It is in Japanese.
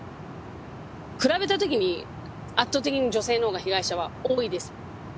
比べた時に圧倒的に女性の方が被害者は多いです。